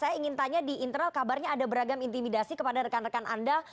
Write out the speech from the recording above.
saya ingin tanya di internal kabarnya ada beragam intimidasi kepada rekan rekan anda